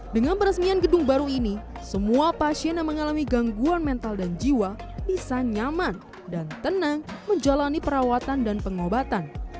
dengan peresmian gedung baru ini semua pasien yang mengalami gangguan mental dan jiwa bisa nyaman dan tenang menjalani perawatan dan pengobatan